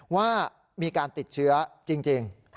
ว่ามีการติดเชื้อจริง